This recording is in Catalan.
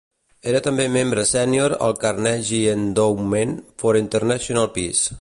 Era també membre sènior al Carnegie Endowment for International Peace.